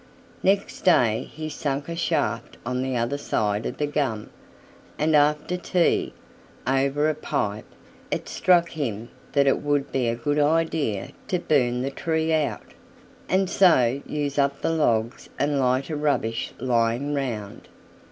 Next day he sank a shaft on the other side of the gum; and after tea, over a pipe, it struck him that it would be a good idea to burn the tree out, and so use up the logs and lighter rubbish lying round.